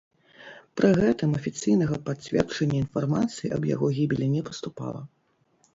Пры гэтым афіцыйнага пацверджання інфармацыі аб яго гібелі не паступала.